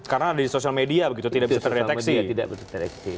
karena ada di sosial media begitu tidak bisa terdeteksi